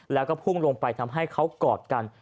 แล้วก็พุ่งลงไปทำให้เขากอดกัน